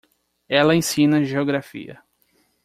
Ela ensina geografia.